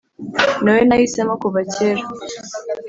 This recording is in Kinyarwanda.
ni wowe nahisemo kuva kera